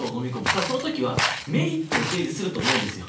ただ、その時はメリットを提示すると思うんですよ。